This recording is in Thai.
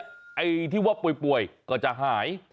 ไอ้ที่ว่าป่วยก็จะหาย